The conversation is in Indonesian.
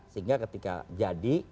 sehingga ketika jadi